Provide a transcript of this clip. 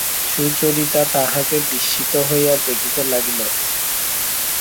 সুচরিতা তাহাকে বিস্মিত হইয়া দেখিতে লাগিল।